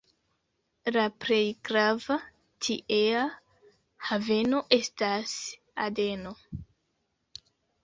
La plej grava tiea haveno estas Adeno.